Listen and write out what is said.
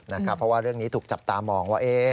เพราะว่าเรื่องนี้ถูกจับตามองว่า